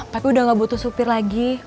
tapi udah gak butuh supir lagi